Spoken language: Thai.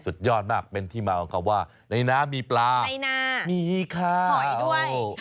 สุดยอดมากเป็นที่มากว่าในน้ำมีปลาในน้ำมีขาว